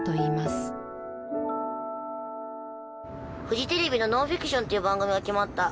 フジテレビの『ノンフィクション』っていう番組が決まった。